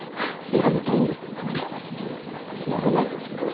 なりたいんですってなれないですけど。